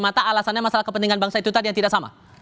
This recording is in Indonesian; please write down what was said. maka alasannya masalah kepentingan bangsa itu tadi yang tidak sama